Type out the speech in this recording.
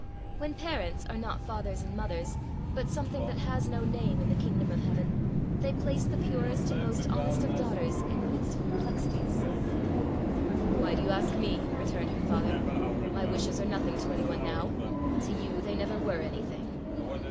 When parents are not fathers and mothers, but something that has no name in the kingdom of heaven, they place the purest and most honest of daughters in the midst of perplexities. "Why do you ask me?" returned her father. "My wishes are nothing to any one now; to you they never were anything."